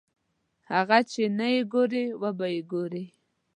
هغه چې نه یې ګورې وبه یې ګورې.